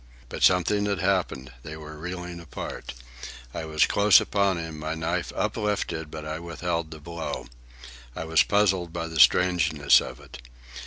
But something had happened. They were reeling apart. I was close upon him, my knife uplifted, but I withheld the blow. I was puzzled by the strangeness of it.